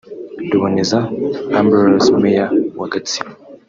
Ruboneza Ambroise Mayor wa Gatsibo